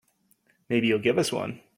Maybe he'll give us one.